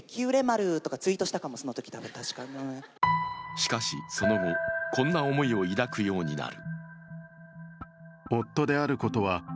しかし、その後、こんな思いを抱くようになる。